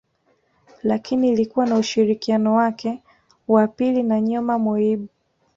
Lakini ilikuwa na ushirikiano wake wa pili na Nyoma Moyib